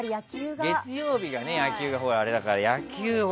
月曜日が野球はあれだから。